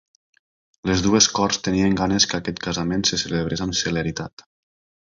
Les dues corts tenien ganes que aquest casament se celebrés amb celeritat.